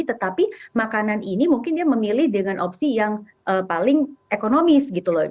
tetapi makanan ini mungkin dia memilih dengan opsi yang paling ekonomis gitu loh